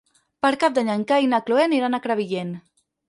Per Cap d'Any en Cai i na Cloè aniran a Crevillent.